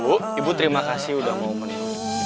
bu ibu terima kasih udah mau meninggal